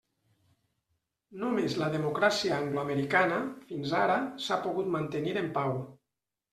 Només la democràcia angloamericana, fins ara, s'ha pogut mantenir en pau.